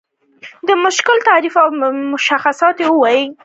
د مشکل تعریف او تشخیص کول.